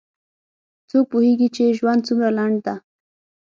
څوک پوهیږي چې ژوند څومره لنډ ده